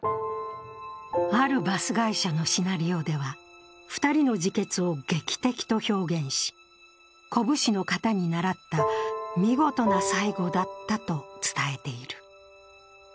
あるバス会社のシナリオでは、２人の自決を劇的と表現し、古武士の型にならった見事な最期だったと伝えている。